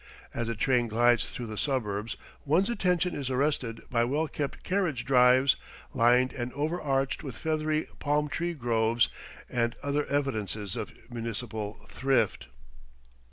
As the train glides through the suburbs one's attention is arrested by well kept carriage drives, lined and overarched with feathery palm tree groves, and other evidences of municipal thrift.